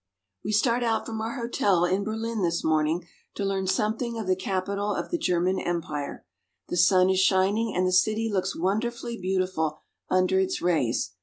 "I \ J E start out from our hotel in Berlin this morning to V V learn something of the capital of the German Empire. The sun is shining, and the city looks wonderfully beautiful under its rays.